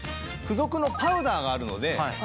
付属のパウダーがあるので。